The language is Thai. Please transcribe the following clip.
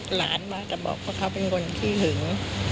หลานมาแต่บอกว่าเขาเป็นคนขี้หึง